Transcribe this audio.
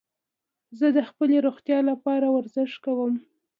زه د خپلي روغتیا له پاره ورزش کوم.